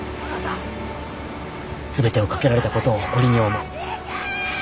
全てを懸けられたことを誇りに思う。